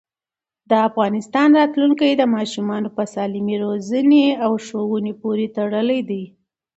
د افغانستان راتلونکی د ماشومانو په سالمې روزنې او ښوونې پورې تړلی دی.